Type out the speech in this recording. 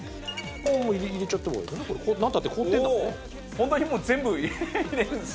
本当にもう全部入れるんですね。